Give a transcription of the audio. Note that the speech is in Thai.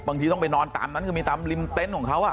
บางทีต้องไปนอนตามนั้นคือมีตามริมเต็นต์ของเขา